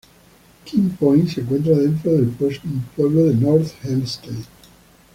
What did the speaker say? Kings Point se encuentra dentro del pueblo de North Hempstead.